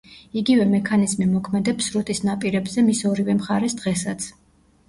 იგივე მექანიზმი მოქმედებს სრუტის ნაპირებზე მის ორივე მხარეს დღესაც.